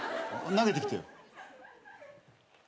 投げてきてよ。